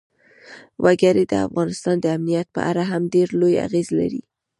وګړي د افغانستان د امنیت په اړه هم ډېر لوی اغېز لري.